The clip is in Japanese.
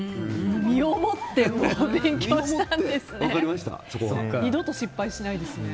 身をもって勉強したんですね。